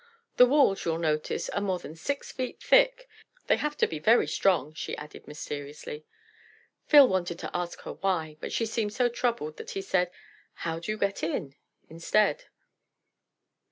The walls, you'll notice, are more than six feet thick. They have to be very strong," she added mysteriously. Phil wanted to ask her why, but she seemed so troubled that he said "How do you get in?" instead.